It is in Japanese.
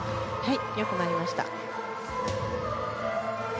よく回りました。